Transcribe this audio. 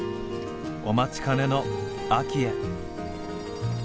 お待ちかねの秋へ。